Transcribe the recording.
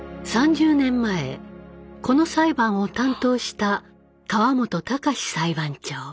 ３０年前この裁判を担当した川本隆裁判長。